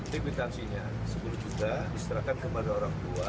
tipitansinya sepuluh juta diserahkan kepada orang tua